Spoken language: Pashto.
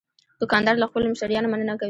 دوکاندار له خپلو مشتریانو مننه کوي.